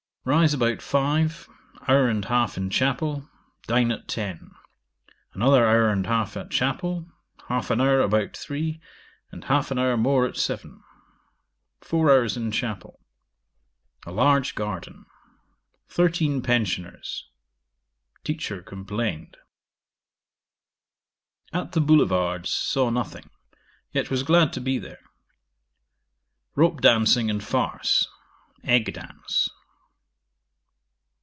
Rise about five; hour and half in chapel. Dine at ten. Another hour and half at chapel; half an hour about three, and half an hour more at seven: four hours in chapel. A large garden. Thirteen pensioners. Teacher complained. 'At the Boulevards saw nothing, yet was glad to be there. Rope dancing and farce. Egg dance.